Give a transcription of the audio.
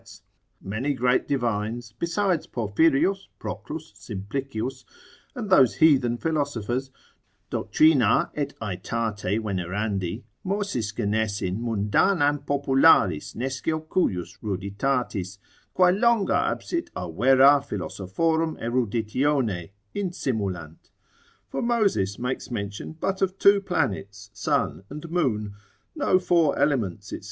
notes, many great divines, besides Porphyrius, Proclus, Simplicius, and those heathen philosophers, doctrina et aetate venerandi, Mosis Genesin mundanam popularis nescio cujus ruditatis, quae longa absit a vera Philosophorum eruditione, insimulant: for Moses makes mention but of two planets, ☉ and ☾, no four elements, &c.